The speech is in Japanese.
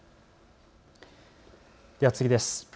では次です。